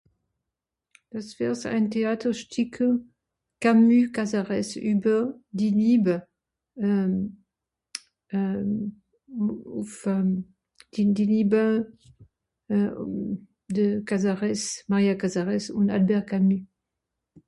es wìrst ein théatre sticke Camus Casarès übe Dinibe euh euh ùff'm din Dinibe euh de Casarès Maria Casarès ùn Albert Camus